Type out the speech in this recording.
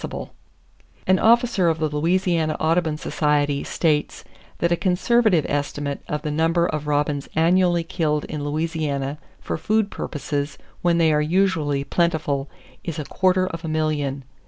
McIlhenny An officer of the Louisiana Audubon Society states that a conservative [Page 109] estimate of the number of robins annually killed in Louisiana for food purposes when they are usually plentiful, is a quarter of a million!